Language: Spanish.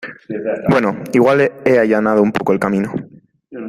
bueno, igual he allanado un poco el camino